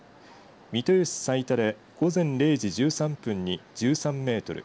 三豊市財田で午前０時１３分に１３メートル